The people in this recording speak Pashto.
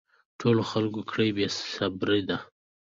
ټولو خلکو کړی بې صبري ده